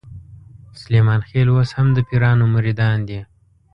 سلیمان خېل اوس هم د پیرانو مریدان دي.